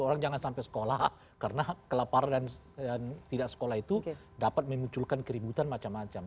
orang jangan sampai sekolah karena kelaparan dan tidak sekolah itu dapat memunculkan keributan macam macam